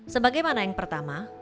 sebagaimana yang pertama